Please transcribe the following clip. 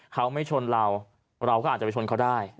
เขาไม่ชนเราเราก็อาจจะไปชนเขาได้